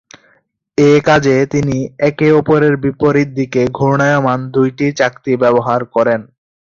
এ কাজে তিনি একে অপরের বিপরীত দিকে ঘূর্ণায়মান দুইটি চাকতি ব্যবহার করেন।